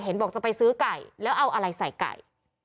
บอกจะไปซื้อไก่แล้วเอาอะไรใส่ไก่